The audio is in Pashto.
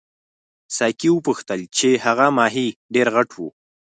ساقي وپوښتل چې هغه ماهي ډېر غټ وو.